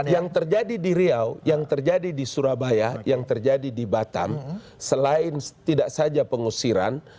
yang terjadi di riau yang terjadi di surabaya yang terjadi di batam selain tidak saja pengusiran